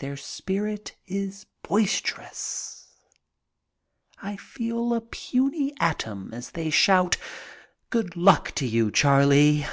Their spirit is boisterous. I feel a puny atom as they shout, "Good luck to you, Charlie."